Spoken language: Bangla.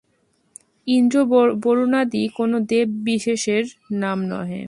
ইন্দ্র-বরুণাদি কোন দেব-বিশেষের নাম নহে।